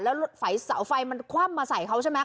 บอกแล้วรถไฟเสาไฟความมาใส่เขาใช่ไหม